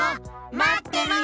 まってるよ！